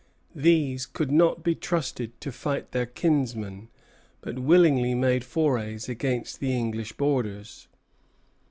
These could not be trusted to fight their kinsmen, but willingly made forays against the English borders.